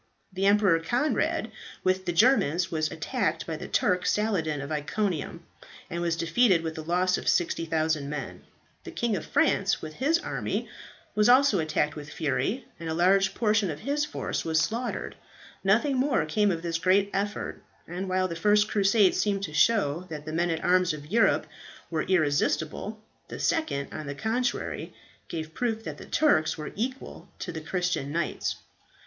The Emperor Conrad, with the Germans, was attacked by the Turk Saladin of Iconium, and was defeated with a loss of 60,000 men. The King of France, with his army, was also attacked with fury, and a large portion of his force were slaughtered. Nothing more came of this great effort, and while the first Crusade seemed to show that the men at arms of Europe were irresistible, the second on the contrary gave proof that the Turks were equal to the Christian knights.